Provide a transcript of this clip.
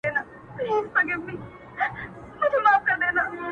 کله چي ښکاره سو را ته مخ دي په جامونو کي,